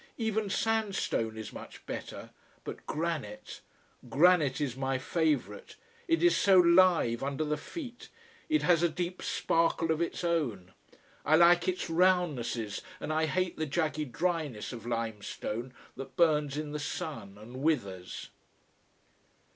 Even sandstone is much better. But granite! Granite is my favorite. It is so live under the feet, it has a deep sparkle of its own. I like its roundnesses and I hate the jaggy dryness of lime stone, that burns in the sun, and withers.